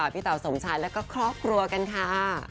พี่เต๋าสมชายแล้วก็ครอบครัวกันค่ะ